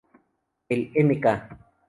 El Mk.